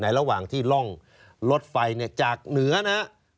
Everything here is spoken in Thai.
ในระหว่างที่ร่องรถไฟเนี่ยจากเหนือนะฮะ